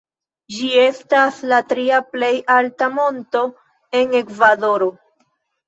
Ĝi estas la tria plej alta monto en Ekvadoro.